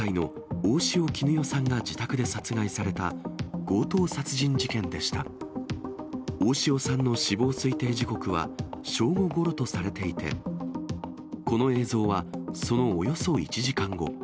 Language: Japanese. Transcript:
大塩さんの死亡推定時刻は正午ごろとされていて、この映像は、そのおよそ１時間後。